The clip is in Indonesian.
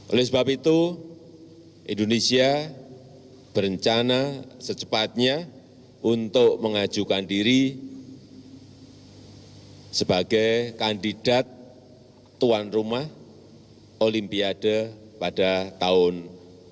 oleh sebab itu indonesia berencana secepatnya untuk mengajukan diri sebagai kandidat tuan rumah olimpiade pada tahun ini